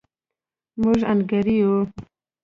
موږ انګېرو.